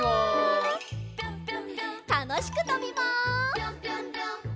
たのしくとびます。